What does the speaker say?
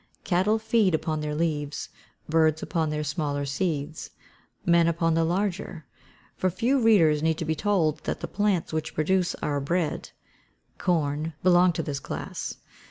Cattle feed upon their leaves; birds upon their smaller seeds; men upon the larger; for, few readers need be told that the plants which produce our bread corn, belong to this class.